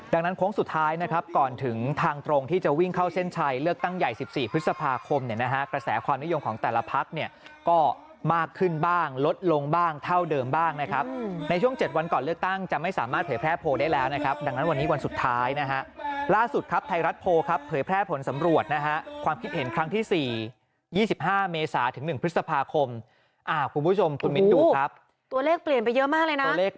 ดังนั้นโค้งสุดท้ายนะครับก่อนถึงทางตรงที่จะวิ่งเข้าเส้นชัยเลือกตั้งใหญ่๑๔พฤษภาคมเนี่ยนะฮะกระแสความนิยมของแต่ละพักเนี่ยก็มากขึ้นบ้างลดลงบ้างเท่าเดิมบ้างนะครับในช่วง๗วันก่อนเลือกตั้งจะไม่สามารถเผยแพร่โพลได้แล้วนะครับดังนั้นวันนี้วันสุดท้ายนะฮะล่าสุดครับไทยรัฐโพล